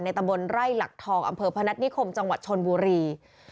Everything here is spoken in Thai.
ตำบลไร่หลักทองอำเภอพนัฐนิคมจังหวัดชนบุรี